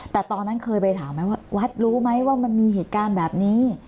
แต่ตอนนั้นเคยไปถามไหมว่าวัดรู้ไหมว่ามันมีเหตุการณ์แบบนี้